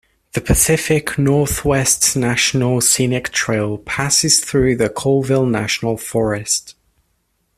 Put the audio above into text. The Pacific Northwest National Scenic Trail passes through the Colville National Forest.